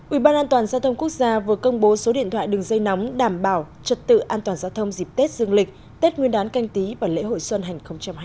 ủy ban an toàn giao thông quốc gia vừa công bố số điện thoại đường dây nóng đảm bảo trật tự an toàn giao thông dịp tết dương lịch tết nguyên đán canh tí và lễ hội xuân hành hai mươi